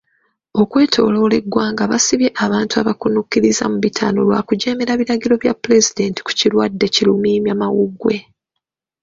Okwetooloola eggwanga basibye abantu abakkunukkiriza mu bitaano lwa kujeemera biragiro bya pulezidenti ku kirwadde ki Lumiimamawuggwe.